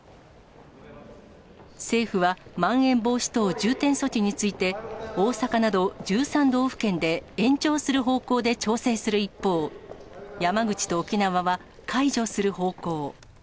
政府はまん延防止等重点措置について、大阪など１３道府県で延長する方向で調整する一方、山口と沖縄は解除する方向。